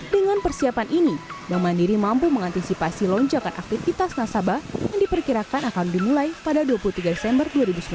dengan persiapan ini bank mandiri mampu mengantisipasi lonjakan aktivitas nasabah yang diperkirakan akan dimulai pada dua puluh tiga desember dua ribu sembilan belas